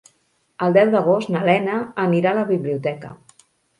El deu d'agost na Lena anirà a la biblioteca.